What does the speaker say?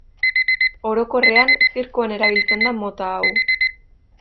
Orokorrean, zirkuan erabiltzen da mota hau.